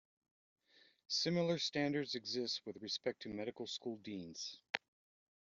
Similar standards exist with respect to medical school deans.